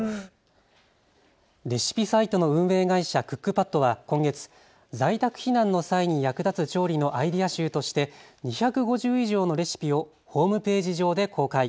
レシピサイトの運営会社、クックパッドは今月、在宅避難の際に役立つ調理のアイデア集として２５０以上のレシピをホームページ上で公開。